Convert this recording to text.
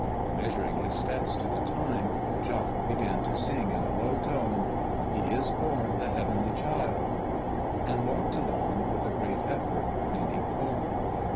Measuring his steps to the time, Jacques began to sing in a low tone, "He is born, the Heavenly Child, " and walked along with a great effort, leaning forward.